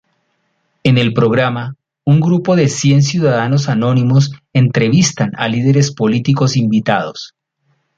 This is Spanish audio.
En el programa, un grupo de cien ciudadanos anónimos entrevistan a líderes políticos invitados.